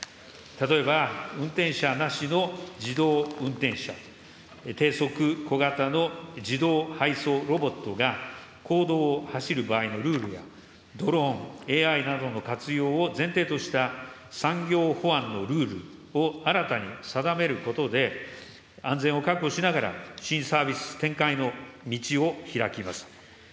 例えば運転者なしの自動運転車、低速・小型の自動配送ロボットが、公道を走る場合のルールや、ドローン、ＡＩなどの活用を前提とした産業保安のルールを新たに定めることで、安全を確保しながら、新サービス展開の道をひらきます。